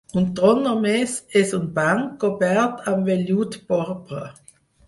Un tron només és un banc cobert amb vellut porpra.